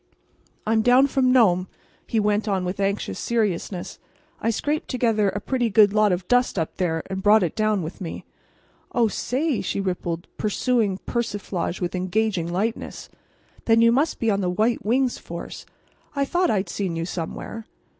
"I'm down from Nome," he went on with anxious seriousness. "I scraped together a pretty good lot of dust up there, and brought it down with me." "Oh, say!" she rippled, pursuing persiflage with engaging lightness, "then you must be on the White Wings force. I thought I'd seen you somewhere."